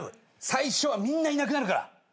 最初はみんないなくなるから。